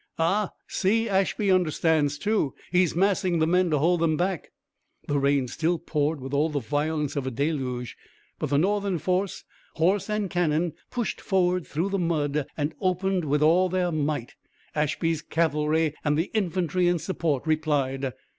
Ah, see, Ashby understands, too! He's massing the men to hold them back!" The rain still poured with all the violence of a deluge, but the Northern force, horse and cannon, pushed forward through the mud and opened with all their might. Ashby's cavalry and the infantry in support replied.